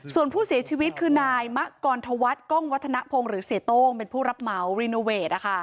ส่วนผู้เสียชีวิตคือนายมะกรธวัฒน์กล้องวัฒนภงหรือเสียโต้งเป็นผู้รับเหมารีโนเวท